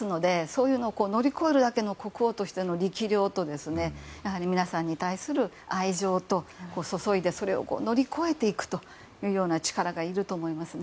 そういうのを乗り越えるだけの国王としての力量と皆さんに対する愛情を注いでそれを乗り越えていくという力がいると思います。